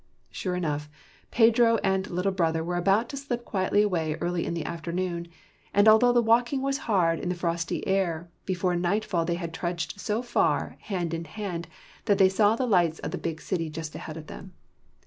Sure enough, Pedro and Little Brother were able to slip quietly away early in the afternoon; and although the walking was hard in the frosty air, before nightfall they had trudged so far, hand in hand, that they saw the lights of the big city just ahead of them.